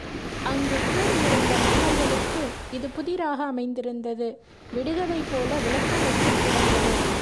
அங்குக் கூடியிருந்த மன்னர்களுக்கு இது புதிராக அமைந்திருந்தது விடுகதை போல விளக்கமற்றுக் கிடந்தது.